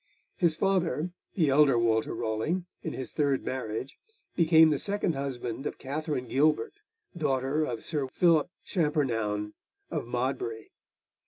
His father, the elder Walter Raleigh, in his third marriage became the second husband of Katherine Gilbert, daughter of Sir Philip Champernoun of Modbury.